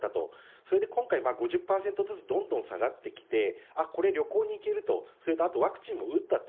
それで今回、５０％ずつ、どんどん下がってきて、あっ、これ旅行に行けると、それとワクチンも打ったと。